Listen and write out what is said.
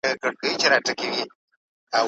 زکات د شتمنۍ تزکیه او پاکوالی دی.